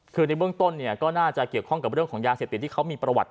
คือในเบื้องต้นเนี่ยก็น่าจะเกี่ยวข้องกับเรื่องของยาเสพติดที่เขามีประวัติ